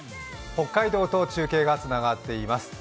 北海道と中継がつながっています。